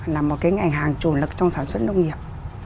là một cái ngành hàng chủ lực trong sản xuất nông nghiệp